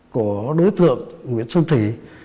của đối tượng nguyễn xuân thủy